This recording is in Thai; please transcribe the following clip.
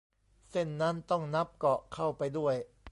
เส้นนั้นต้องนับเกาะเข้าไปด้วย